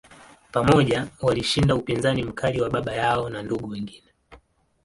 Pamoja, walishinda upinzani mkali wa baba yao na ndugu wengine.